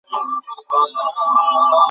আরে বলদ, ঝিঙ্গুরটা ফেলে দে।